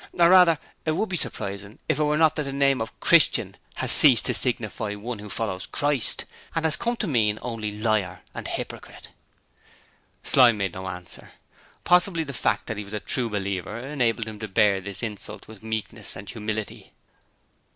Or, rather, it would be surprising if it were not that the name of "Christian" has ceased to signify one who follows Christ, and has come to mean only liar and hypocrite.' Slyme made no answer. Possibly the fact that he was a true believer enabled him to bear this insult with meekness and humility.